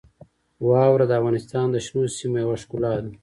واوره د افغانستان د شنو سیمو یوه ښکلا ده.